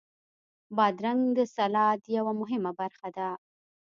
بادرنګ د سلاد یوه مهمه برخه ده.